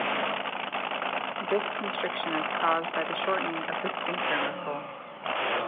This constriction is caused by the shortening of the sphincter muscle.